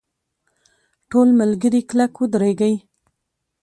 ټول ملګري کلک ودرېږئ!.